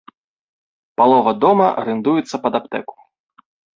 Палова дома арандуецца пад аптэку.